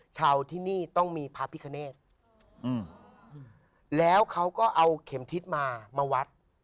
ที่นี่ต้องมีพระพิคเนธแล้วเขาก็เอาเข็มทิศมามาวัด